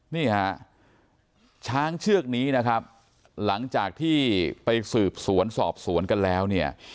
นี่ฮะช้างเชือกนี้นะครับหลังจากที่ไปสืบสวนสอบสวนกันแล้วเนี่ย